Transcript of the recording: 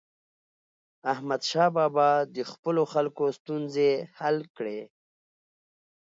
احمدشاه بابا د خپلو خلکو ستونزې حل کړي.